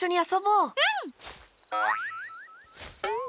うん！